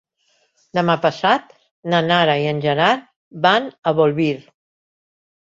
Demà passat na Nara i en Gerard van a Bolvir.